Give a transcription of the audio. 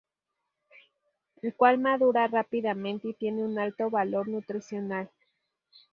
El cual madura rápidamente y tiene un alto valor nutricional.